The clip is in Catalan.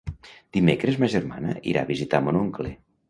Dimecres ma germana irà a visitar mon oncle.